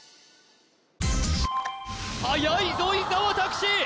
はやいぞ伊沢拓司